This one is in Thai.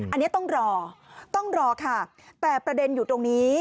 อันนี้ต้องรอต้องรอค่ะแต่ประเด็นอยู่ตรงนี้